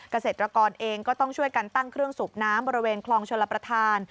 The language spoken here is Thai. เกษตรกรเองก็ต้องช่วยกันตั้งเครื่องสูบน้ำบริเวณคลองชลประธาน